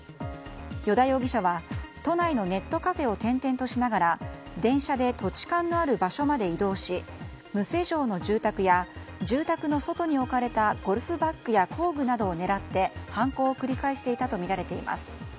依田容疑者は、都内のネットカフェを転々としながら電車で土地勘のある場所まで移動し無施錠の住宅や住宅の外に置かれたゴルフバッグや工具などを狙って犯行を繰り返していたとみられています。